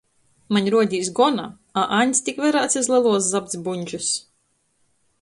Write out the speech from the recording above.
Maņ ruodīs gona, a Aņds tik verās iz leluos zapts buņdžys.